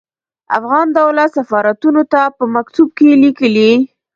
افغان دولت سفارتونو ته په مکتوب کې ليکلي.